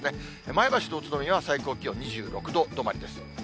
前橋と宇都宮は、最高気温２６度止まりです。